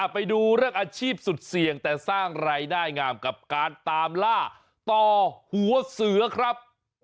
ไปดูเรื่องอาชีพสุดเสี่ยงแต่สร้างรายได้งามกับการตามล่าต่อหัวเสือครับ